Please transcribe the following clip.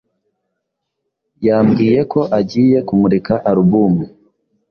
yambwiye ko agiye kumurika album